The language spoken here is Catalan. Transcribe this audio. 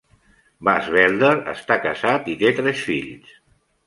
Bas Belder està casat i té tres fills.